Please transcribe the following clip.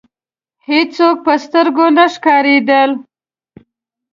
هېڅوک په سترګو نه ښکاریدل.